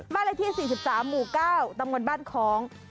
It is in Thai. บ้านละที่๔๓หมู่๙ตำรวจบ้านค้อง